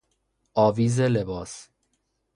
آویز لباس